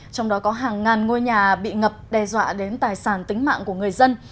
trong đó có hàng ngàn ngôi nhà bị ngập đe dọa đến tài sản tính mạng của người dân